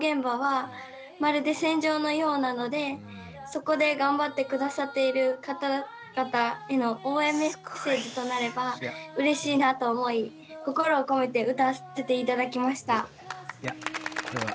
そこで頑張って下さっている方々への応援メッセージとなればうれしいなと思い心を込めて歌わせて頂きました。